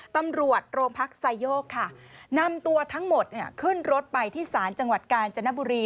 ตำรวจโรงพักไซโยกค่ะนำตัวทั้งหมดขึ้นรถไปที่ศาลจังหวัดกาญจนบุรี